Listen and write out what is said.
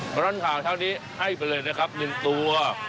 ตะรอนข่าวเช้านี้ให้ไปเลยนะครับ๑ตัว